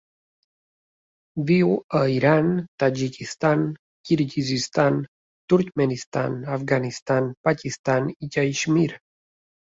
Viu a Iran, Tadjikistan, Kirguizistan, Turkmenistan, Afganistan, Pakistan i Caixmir.